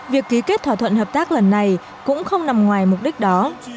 việc ký kết thỏa thuận hợp tác lần này cũng không nằm ngoài mục đích đó